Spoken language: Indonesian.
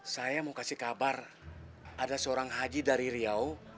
saya mau kasih kabar ada seorang haji dari riau